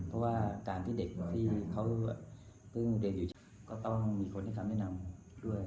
เพราะว่าการที่เด็กที่เขาเพิ่งเรียนอยู่ก็ต้องมีคนให้คำแนะนำด้วย